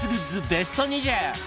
ベスト２０